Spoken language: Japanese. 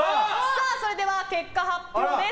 それでは結果発表です。